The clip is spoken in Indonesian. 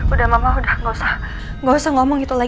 udah mama udah nggak usah nggak usah ngomong itu lagi ya ma